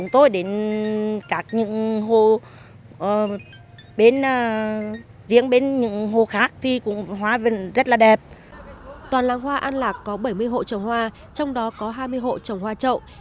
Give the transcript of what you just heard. toàn làng hoa an lạc có bảy mươi hộ trồng hoa trong đó có hai mươi hộ trồng hoa trậu